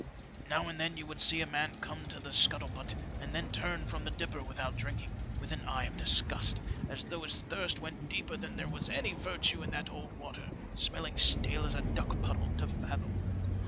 Now and then you would see a man come to the sbuttle butt and then turn from the dipper without drinking, with an eye of disgust, as though his thirst went deeper than there was any virtue in that old water, smelling stale as a duck puddle, to fathom.